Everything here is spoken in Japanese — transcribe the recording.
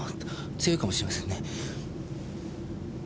強いかもしれませんね。